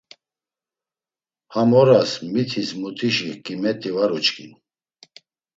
Ham oras, mitis mutuşi ǩiymeti va uçkin.